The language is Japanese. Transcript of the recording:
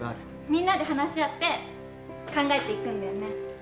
みんなで話し合って考えていくんだよね。